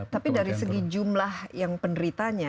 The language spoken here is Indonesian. tapi dari segi jumlah yang penderitanya